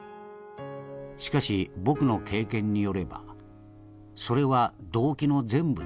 しかし僕の経験によればそれは動機の全部ではない。